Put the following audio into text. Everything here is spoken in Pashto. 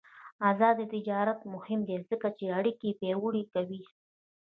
آزاد تجارت مهم دی ځکه چې اړیکې پیاوړې کوي.